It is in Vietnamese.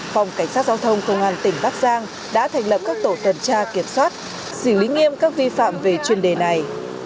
phòng cảnh sát giao thông công an tỉnh bắc giang đã thành lập các tổ tuần tra kiểm soát xử lý nghiêm các vi phạm về chuyên đề này